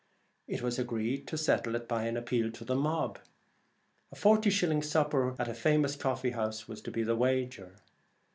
It was agreed to settle it by an appeal to the mob. A forty shilling supper at a famous coffee house was to be the wager.